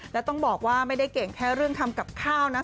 แล้วต้องบอกว่าไม่ได้เก่งแค่เรื่องทำกับข้าวนะ